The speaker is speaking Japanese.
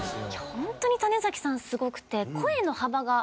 ホントに種さんすごくて。